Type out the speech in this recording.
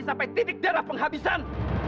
sampai titik darah penghabisan